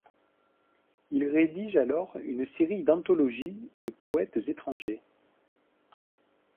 Il rédige alors une série d'anthologies de poètes étrangers.